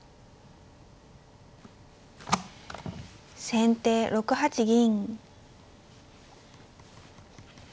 先手６八銀。